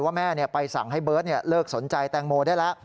แม่ไปสั่งให้เบิร์ตเลิกสนใจแตงโมได้แล้ว